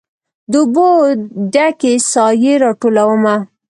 د اوبو ډ کې سائې راټولومه